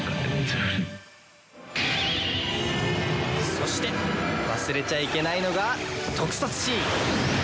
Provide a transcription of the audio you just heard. そして忘れちゃいけないのが特撮シーン！